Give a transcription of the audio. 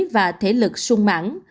và thể lực sung mãn